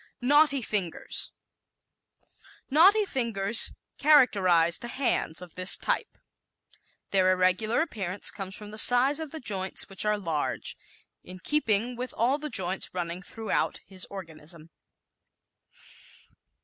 Knotty Fingers ¶ Knotty fingers characterize the hands of this type. Their irregular appearance comes from the size of the joints which are large, in keeping with all the joints running throughout his organism.